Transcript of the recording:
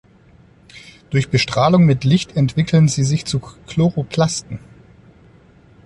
Durch Bestrahlung mit Licht entwickeln sie sich zu Chloroplasten.